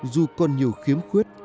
dù còn nhiều khiếm khuyết